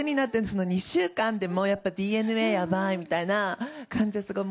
その２週間でも、やっぱりＤＮＡやばいみたいな感じはすごい。